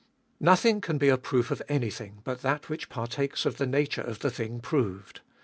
3. Nothing can be a proof of anything but that which partakes of the nature of the thing proved.